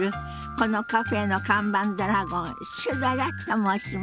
このカフェの看板ドラゴンシュドラと申します。